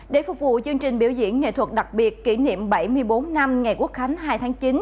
để phục vụ chương trình biểu diễn nghệ thuật đặc biệt kỷ niệm bảy mươi bốn năm ngày quốc khánh hai tháng chín